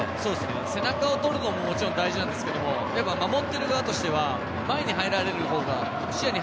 背中を取るのももちろん大事なんですけど、守ってる側としては前に入られるほうが視野に